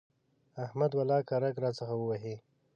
احمد ولاکه رګ راڅخه ووهي.